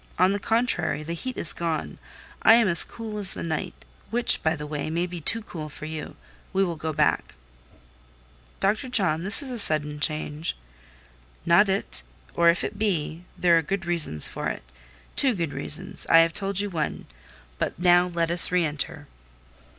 On the contrary, the heat is gone: I am as cool as the night—which, by the way, may be too cool for you. We will go back." "Dr. John, this is a sudden change." "Not it: or if it be, there are good reasons for it—two good reasons: I have told you one. But now let us re enter."